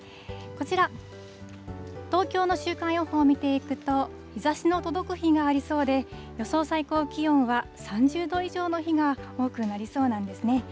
こちら、東京の週間予報を見ていくと、日ざしの届く日がありそうで、予想最高気温は３０度以上の日が多くなりそうなんですね。